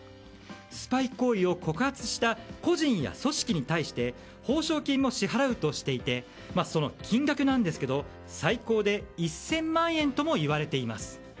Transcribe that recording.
スパイ行為を告発した個人や組織について報奨金も支払うとしていてその金額なんですが最高で１０００万円ともいわれています。